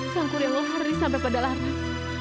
sangku ria melari sampai pada larang